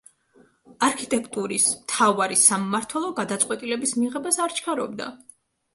არქიტექტურის მთავარი სამმართველო გადაწყვეტილების მიღებას არ ჩქარობდა.